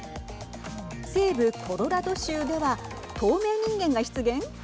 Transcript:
西部コロラド州では透明人間が出現。